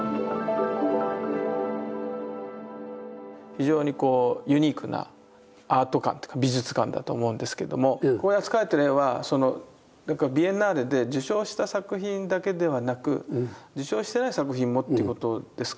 非常にこうユニークなアート館というか美術館だと思うんですけどもここで扱われてる絵はビエンナーレで受賞した作品だけではなく受賞してない作品もってことですか？